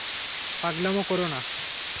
পাগলামো করো না।